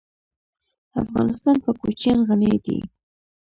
افغانستان په کوچیان غني دی.